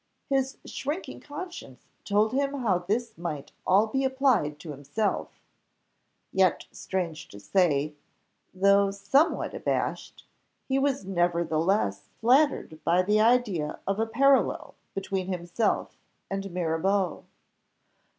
his shrinking conscience told him how this might all be applied to himself; yet, strange to say, though somewhat abashed, he was nevertheless flattered by the idea of a parallel between himself and Mirabeau.